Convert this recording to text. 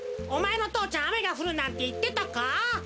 おまえのとうちゃんあめがふるなんていってたか？